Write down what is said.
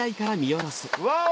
ワオ！